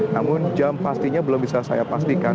namun jam pastinya belum bisa saya pastikan